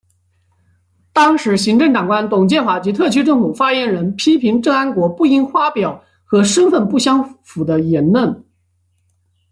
当时行政长官董建华及特区政府发言人批评郑安国不应发表和身份不相符的言论。